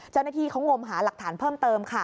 เจ้าหน้าที่เขางมหาหลักฐานเพิ่มเติมค่ะ